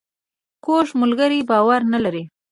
کوږ ملګری باور نه لري